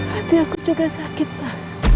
hati aku juga sakit lah